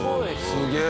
すげえ！